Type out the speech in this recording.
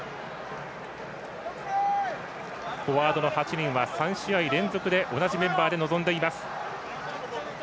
フォワードの８人は３試合連続で同じメンバーで臨んでいます。